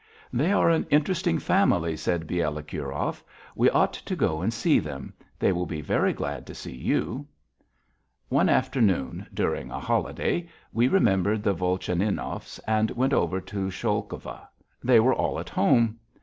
"They are an interesting family," said Bielokurov. "We ought to go and see them. They will be very glad to see you." One afternoon, during a holiday, we remembered the Volchaninovs and went over to Sholkovka. They were all at home.